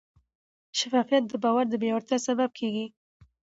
شفافیت د باور د پیاوړتیا سبب کېږي.